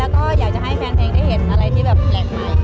แล้วก็อยากจะให้แฟนเพลงได้เห็นอะไรที่แบบแปลกใหม่